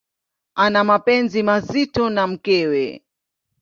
Ana mapenzi mazito na mkewe.